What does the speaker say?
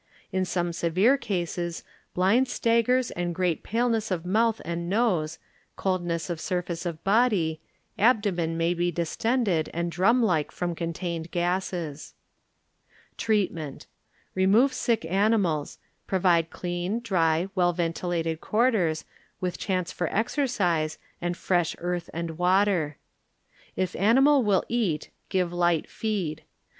In some severe cases blind staggers and great paleness of mouth and nose, cold ness of surface of body; abdomen may be distended and drum like from con tained gases. Treatment. ŌĆö Remove sick animals, pro vide clean, dry, well ventilated quarters, with chance for exercise, and fresh earth and water. If animal will eat, give light feed.